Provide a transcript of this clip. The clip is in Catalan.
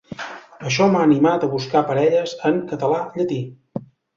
Això m'ha animat a buscar parelles en català-llatí.